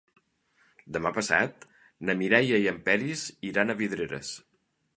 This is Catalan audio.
Demà passat na Mireia i en Peris iran a Vidreres.